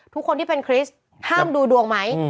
ทุกคนที่เป็นคริสต์ห้ามดูดวงไหม